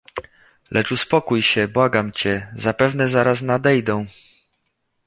"Lecz uspokój się, błagam cię, zapewne zaraz nadejdą."